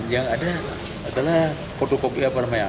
yang ada adalah kodok kodok apa namanya